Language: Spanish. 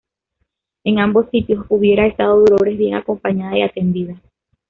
En ambos sitios hubiera estado Dolores bien acompañada y atendida.